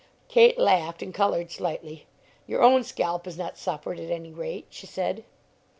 Kate laughed and colored slightly. "Your own scalp has not suffered, at any rate," she said.